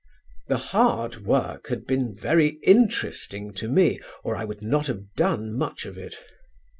The 'hard' work had been very interesting to me, or I would not have done much of it.